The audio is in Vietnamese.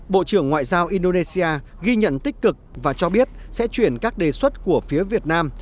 bộ trưởng ngoại giao indonesia ghi nhận tích cực và cho biết sẽ chuyển các đề xuất của phía việt nam